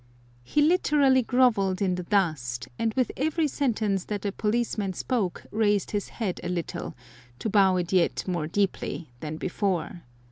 He literally grovelled in the dust, and with every sentence that the policeman spoke raised his head a little, to bow it yet more deeply than before.